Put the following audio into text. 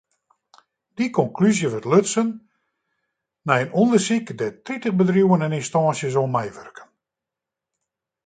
Dy konklúzje wurdt lutsen nei in ûndersyk dêr't tritich bedriuwen en ynstânsjes oan meiwurken.